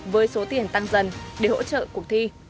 với số tiền tăng dần để hỗ trợ cuộc thi